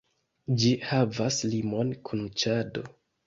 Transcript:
Ĝi havas limon kun Ĉado.